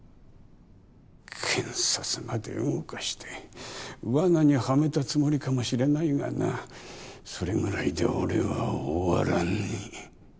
検察まで動かして罠にはめたつもりかもしれないがなそれぐらいで俺は終わらねぇ。